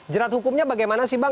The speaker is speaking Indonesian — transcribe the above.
jerat hukumnya bagaimana sih bang